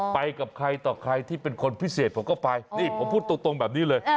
ไปกับใครต่อใครที่เป็นคนพิเศษผมก็ไปนี่ผมพูดตรงแบบนี้เลย